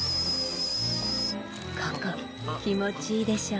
ここ気持ちいいでしょ。